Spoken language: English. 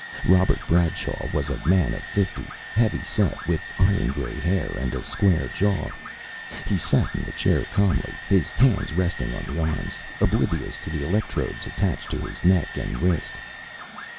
Robert Bradshaw was a man of fifty, heavy set, with iron grey hair and a square jaw. He sat in the chair calmly, his hands resting on the arms, oblivious to the electrodes attached to his neck and wrist.